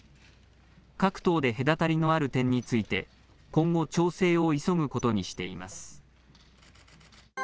各党で隔たりのある点について、今後、調整を急ぐことにしています。